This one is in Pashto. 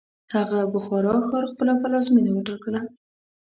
هغه بخارا ښار خپله پلازمینه وټاکله.